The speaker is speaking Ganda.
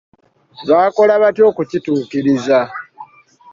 Baakola baatya okukituukiriza?